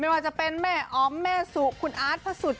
ไม่ว่าจะเป็นแม่ออมแม่สุคุณอาร์ดพสุด